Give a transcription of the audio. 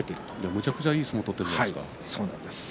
めちゃくちゃいい相撲を取っているじゃないですか。